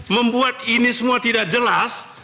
membuat ini semua tidak jelas